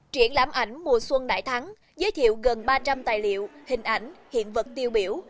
triển lãm ảnh mùa xuân đại thắng giới thiệu gần ba trăm linh tài liệu hình ảnh hiện vật tiêu biểu